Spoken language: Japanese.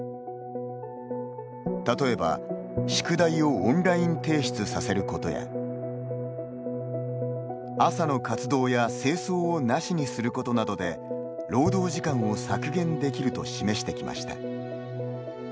例えば、宿題をオンライン提出させることや朝の活動や清掃を無しにすることなどで労働時間を削減できると示してきました。